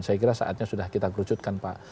saya kira saatnya sudah kita kerucutkan pak